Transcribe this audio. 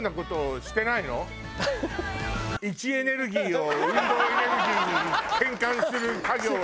位置エネルギーを運動エネルギーに転換する作業は。